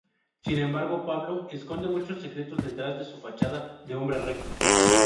Sin embargo, Pablo esconde muchos secretos detrás de su fachada de hombre recto.